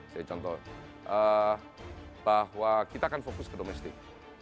saya contoh bahwa kita akan fokus ke domestik